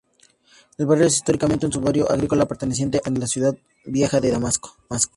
El barrio era históricamente un suburbio agrícola perteneciente al Ciudad Vieja de Damasco.